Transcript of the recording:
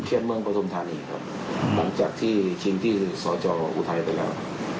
เมืองประธุมธานีครับหลังจากที่ชิงที่สจอุทัยไปแล้ว